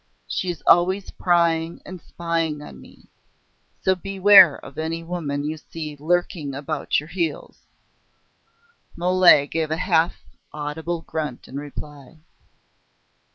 She is always prying and spying on me.... So beware of any woman you see lurking about at your heels." Mole gave a half audible grunt in reply.